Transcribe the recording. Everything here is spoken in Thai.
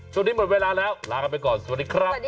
ช่วงนี้หมดเวลาแล้วลาไปก่อนสวัสดีครับ